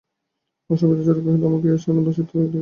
আশা মৃদুস্বরে কহিল, আমাকে এইখানে বসিতে বলিয়া গেছেন।